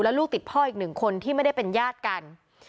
ลูกติดพ่ออีกหนึ่งคนที่ไม่ได้เป็นญาติกัน